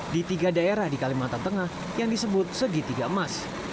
di tiga daerah di kalimantan tengah yang disebut segitiga emas